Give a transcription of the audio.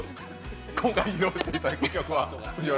今回、披露していただく曲は？